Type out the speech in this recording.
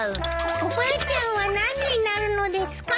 おばあちゃんは何になるのですか？